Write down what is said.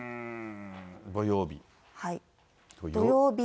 土曜日。